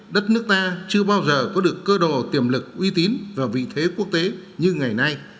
đất nước ta chưa bao giờ có được cơ đồ tiềm lực uy tín và vị thế quốc tế như ngày nay